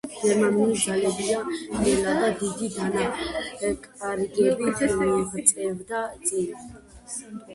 გერმანული ძალები ნელა და დიდი დანაკარგებით მიიწევდა წინ.